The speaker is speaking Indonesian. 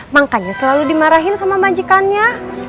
makanya selalu dimarahin sama majikannya